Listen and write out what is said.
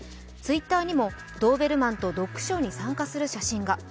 Ｔｗｉｔｔｅｒにもドーベルマンとドッグショーに参加する写真が。